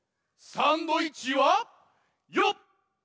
サンドイッチはよっ！